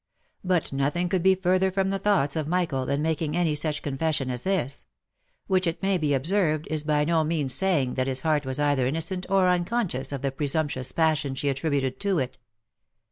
But nothing could be further from the thoughts of Michael than making any such confession as this ; which, it may be observed, is by no means saying that his heart was either innocent or unconscious of the presumptuous passion she attributed to it.